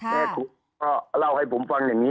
แม่คุกก็เล่าให้ผมฟังอย่างนี้